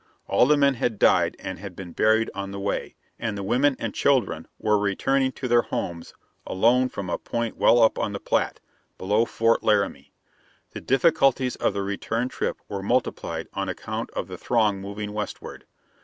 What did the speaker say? All the men had died and had been buried on the way, and the women and children were returning to their homes alone from a point well up on the Platte, below Fort Laramie. The difficulties of the return trip were multiplied on account of the throng moving westward.